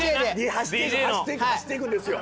走っていくんですよ。